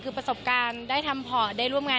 คือประสบการณ์ได้ทำพอร์ตได้ร่วมงาน